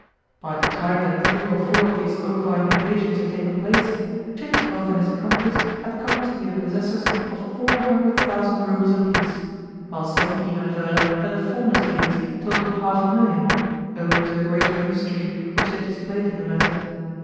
By the time that three or four of these ovine invasions had taken place, Chichikov and his accomplice had come to be the possessors of four hundred thousand roubles apiece; while some even aver that the former's gains totalled half a million, owing to the greater industry which he had displayed in the matter.